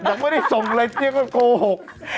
มันไม่ได้ส่งอะไรเธอโกหก